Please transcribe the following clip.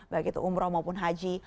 begitu umroh maupun haji